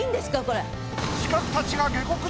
これ。